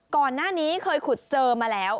ก่อนหน้านี้เคยขุดเจอมาแล้ว